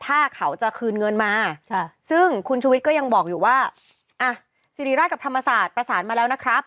ถ้าเขาจะคืนเงินมาซึ่งคุณชุวิตก็ยังบอกอยู่ว่าอ่ะสิริราชกับธรรมศาสตร์ประสานมาแล้วนะครับ